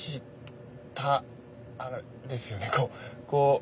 あれですよねこう。